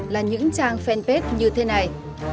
là những trang fanpage như thế này